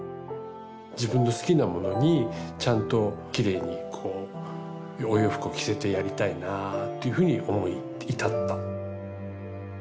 自分の好きなものにちゃんときれいにこうお洋服を着せてやりたいなというふうに思い至った。